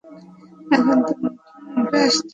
এখন, তোমার গ্লাসটি আমাকে ভরে দিতে দাও।